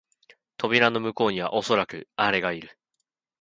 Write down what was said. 扉の向こうにはおそらくアレがある